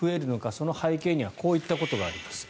その背景にはこういったことがあります。